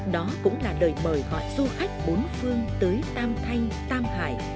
đó cũng là đời mời họ du khách bốn phương tới tam thanh tam hải